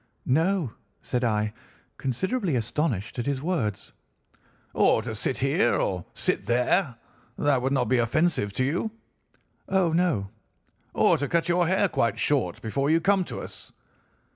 "'No,' said I, considerably astonished at his words. "'Or to sit here, or sit there, that would not be offensive to you?' "'Oh, no.' "'Or to cut your hair quite short before you come to us?